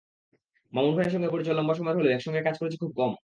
মামুন ভাইয়ের সঙ্গে পরিচয় লম্বা সময়ের হলেও একসঙ্গে কাজ করেছি খুব কম।